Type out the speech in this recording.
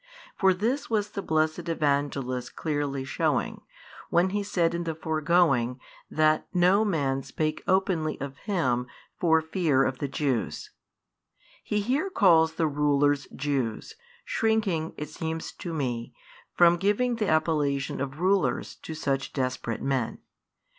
For this was the blessed |513 Evangelist clearly shewing, when he said in the foregoing that no man spake openly of Him for fear of the Jews. He here calls the rulers Jews, shrinking, it seems to me, from giving the appellation of rulers to such desperate men.